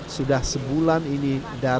sudah sebulan ini darur